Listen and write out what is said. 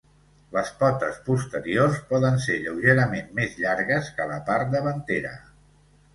Les potes posteriors poden ser lleugerament més llargues que la part davantera.